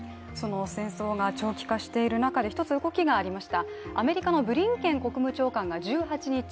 戦争が長期化している中で、１つ動きがありました。